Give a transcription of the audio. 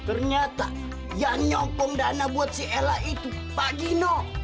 ternyata yang nyokong dana buat si ella itu pak gino